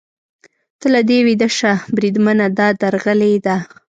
ته له دې ویده شه، بریدمنه، دا درغلي ده.